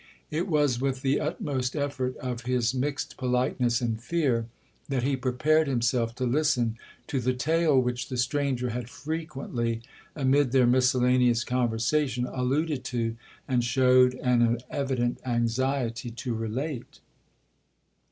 It was with the utmost effort of his mixed politeness and fear, that he prepared himself to listen to the tale which the stranger had frequently, amid their miscellaneous conversation, alluded to, and showed an evident anxiety to relate.